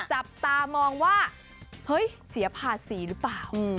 จับตามองเว้าเห้ยเสียผาสีละป่ะ